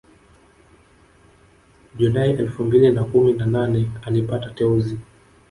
Julai elfu mbili na kumi na nane alipata teuzi